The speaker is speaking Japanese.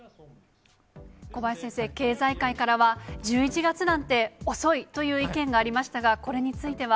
小林先生、経済界からは、１１月なんて遅いという意見がありましたが、これについては。